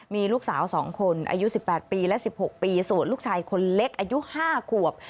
มีลูกสาว๒คนอายุ๑๘ปีและ๑๖ปีส่วนลูกชายคนเล็กอายุ๕ขวบ